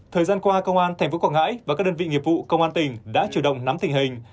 thời gian qua công an tp quảng ngãi và các đơn vị nghiệp vụ công an tỉnh đã chủ động nắm tình hình